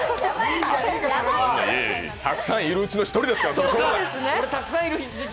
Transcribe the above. たくさんいるうちの１人ですから。